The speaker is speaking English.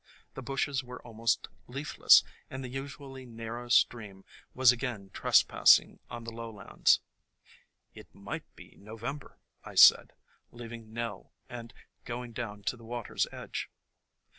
The bushes were almost leafless and the usually narrow stream was again trespassing on the lowlands. "It might be November," I said, leaving Nell and going down to the water's edge.